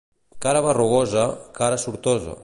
Cara berrugosa, cara sortosa.